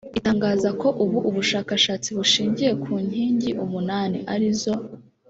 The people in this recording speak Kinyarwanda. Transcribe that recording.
Itangaza ko ubu bushakashatsi bushingiye ku Nkingi umunani; arizo